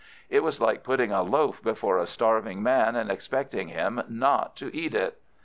It was like putting a loaf before a starving man and expecting him not to eat it.